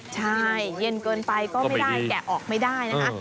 ใช่เย็นเกินไปก็ไม่ได้แกะออกไม่ได้นะคะ